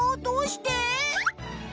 どうして？